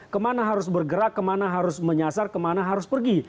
kemana harus bergerak kemana harus menyasar kemana harus pergi